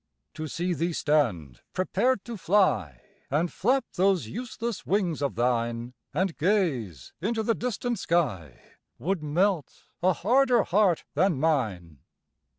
To see thee stand prepared to fly, And flap those useless wings of thine, And gaze into the distant sky, Would melt a harder heart than mine.